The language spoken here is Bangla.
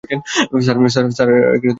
স্যারের খেয়াল রেখো।